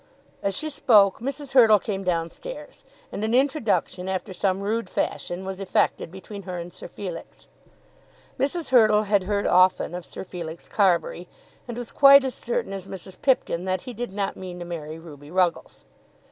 As she spoke, Mrs. Hurtle came downstairs, and an introduction, after some rude fashion, was effected between her and Sir Felix. Mrs. Hurtle had heard often of Sir Felix Carbury, and was quite as certain as Mrs. Pipkin that he did not mean to marry Ruby Ruggles.